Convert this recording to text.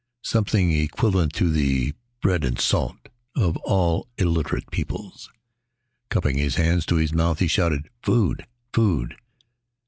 Something equivalent to the "bread and salt" of all illiterate peoples. Cupping his hands to his mouth, he shouted, "Food! food!"